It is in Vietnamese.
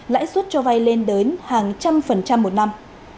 lãi suất cho vây lên đến hàng trăm phần trăm một năm